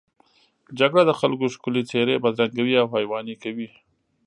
جګړه د خلکو ښکلې څېرې بدرنګوي او حیواني کوي